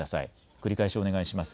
繰り返しお願いします。